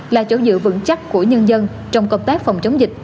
là chỗ dựa vững chắc của nhân dân trong công tác phòng chống dịch